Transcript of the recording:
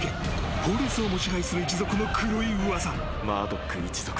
法律をも支配する一族の黒い噂。